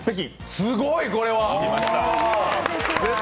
すごい、これは！